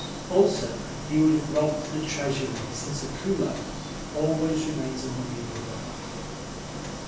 Also, you would have robbed the Treasury, since a kulak always remains a money grubber."